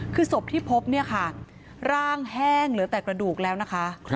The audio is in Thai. คือศพที่พบเนี่ยค่ะร่างแห้งเหลือแต่กระดูกแล้วนะคะ